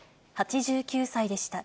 ８９歳でした。